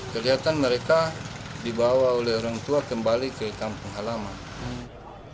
kelihatan mereka dibawa oleh orang tua kembali ke kampung halaman